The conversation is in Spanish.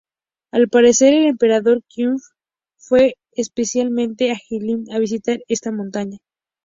Al parecer el emperador Qianlong fue especialmente a Jilin a visitar esta montaña.